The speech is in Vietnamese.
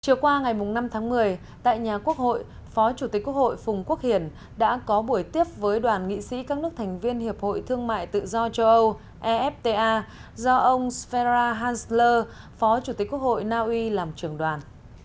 chiều qua ngày năm tháng một mươi tại nhà quốc hội phó chủ tịch quốc hội phùng quốc hiển đã có buổi tiếp với đoàn nghị sĩ các nước thành viên hiệp hội thương mại tự do châu âu efta do ông svera ha hansler phó chủ tịch quốc hội naui làm trưởng đoàn